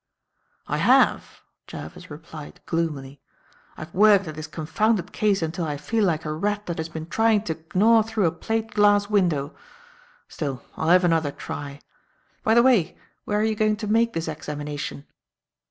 "I have," Jervis replied, gloomily. "I have worked at this confounded case until I feel like a rat that has been trying to gnaw through a plate glass window. Still, I'll have another try. By the way, where are you going to make this examination?"